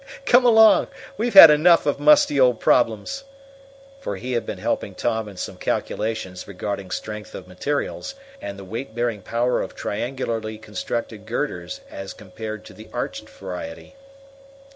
"Come along! We've had enough of musty old problems," for he had been helping Tom in some calculations regarding strength of materials and the weight bearing power of triangularly constructed girders as compared to the arched variety.